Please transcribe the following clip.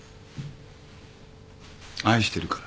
愛してるから。